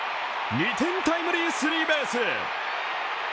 ２点タイムリースリーベース。